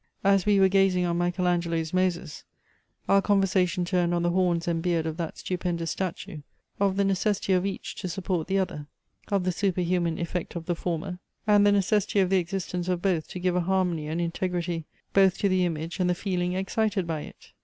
As we were gazing on Michael Angelo's MOSES, our conversation turned on the horns and beard of that stupendous statue; of the necessity of each to support the other; of the super human effect of the former, and the necessity of the existence of both to give a harmony and integrity both to the image and the feeling excited by it.